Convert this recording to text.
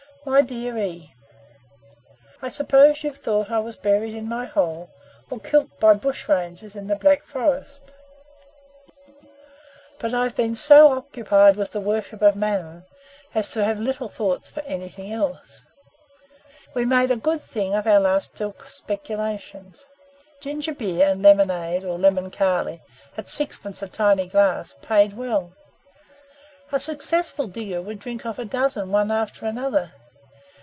"My dear E , "I suppose you've thought I was buried in my hole, or 'kilt' by bushrangers in the Black Forest; but I've been so occupied in the worship of Mammon, as to have little thoughts for anything else. "We made a good thing of our last two speculations. Ginger beer and lemonade, or lemon kali, at sixpence a tiny glass, paid well. A successful digger would drink off a dozen one after another.